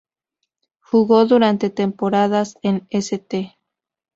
Jugó durante temporadas en St.